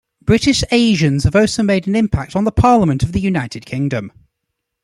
British Asians have also made an impact on the parliament of the United Kingdom.